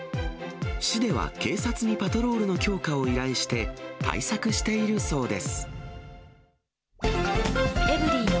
市では警察にパトロールの強化を依頼して、対策しているそうです。